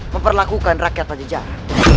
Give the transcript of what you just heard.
memperlakukan rakyat pajajara